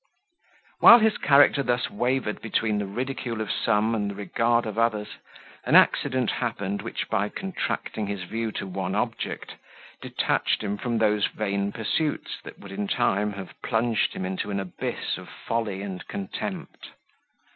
While his character thus wavered between the ridicule of some and the regard of others, an accident happened which by contracting his view to one object, detached him from those vain pursuits that would in time have plunged him into an abyss of folly and contempt.